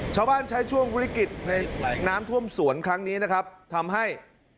ใช้ช่วงวิกฤตในน้ำท่วมสวนครั้งนี้นะครับทำให้